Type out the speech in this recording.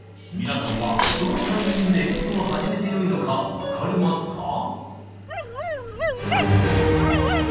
皆さんはどのタイミングで演奏を始めてよいのか分かりますか？